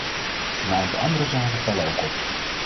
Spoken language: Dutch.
Een aantal andere zaken vallen ook op.